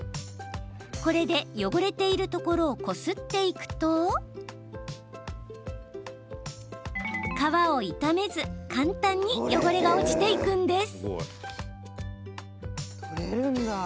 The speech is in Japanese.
これで汚れているところをこすっていくと革を傷めず簡単に汚れが落ちていくんです。